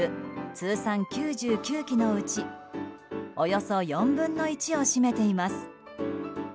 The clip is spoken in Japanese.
通算９９期のうちおよそ４分の１を占めています。